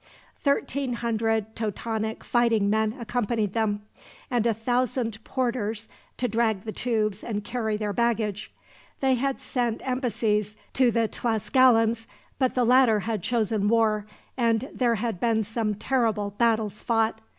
Thirteen hundred Totonac fighting men accompanied them, and a thousand porters to drag the tubes and carry their baggage. They had sent embassies to the Tlascalans, but the latter had chosen war, and there had been some terrible battles fought.